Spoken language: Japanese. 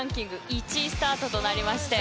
１位スタートとなりましたよね。